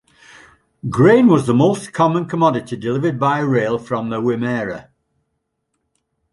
Grain was the most common commodity delivered by rail from the Wimmera.